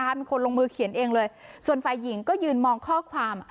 เป็นคนลงมือเขียนเองเลยส่วนฝ่ายหญิงก็ยืนมองข้อความ